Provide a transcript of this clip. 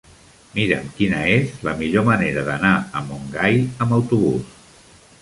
Mira'm quina és la millor manera d'anar a Montgai amb autobús.